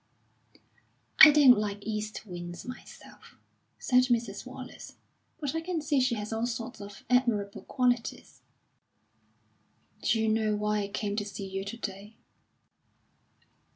"I don't like east winds myself," said Mrs. Wallace. "But I can see she has all sorts of admirable qualities." "D'you know why I came to see you to day?"